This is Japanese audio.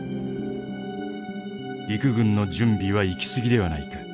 陸軍の準備は行き過ぎではないか。